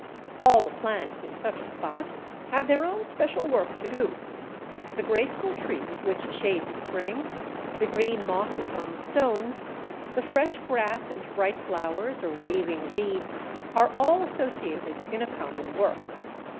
All the plants in such a spot have their own special work to do: the graceful trees which shade the spring, the green mosses on the stones, the fresh grass and bright flowers or waving reeds, are all associated in a common work.